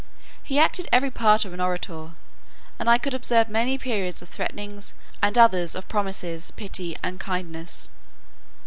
He acted every part of an orator, and I could observe many periods of threatenings, and others of promises, pity, and kindness.